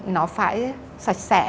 nó phải sạch sẽ